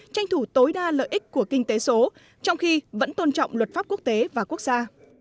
tranh thủ tối đa lợi ích của kinh tế số trong khi vẫn tôn trọng luật pháp quốc tế và quốc gia